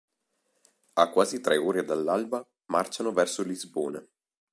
A quasi tre ore all'alba, marciano verso Lisbona.